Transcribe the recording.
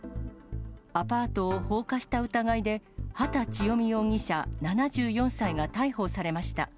アパートを放火した疑いで、畑千代美容疑者７４歳が逮捕されました。